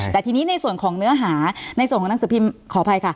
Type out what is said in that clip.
แต่ทีนี้ในส่วนของเนื้อหาในส่วนของหนังสือพิมพ์ขออภัยค่ะ